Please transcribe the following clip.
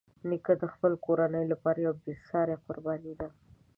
نیکه د خپلې کورنۍ لپاره یوه بېساري قرباني ده.